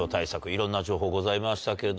いろんな情報ございましたけど。